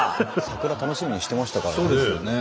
桜楽しみにしてましたからね。